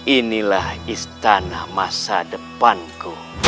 inilah istana masa depanku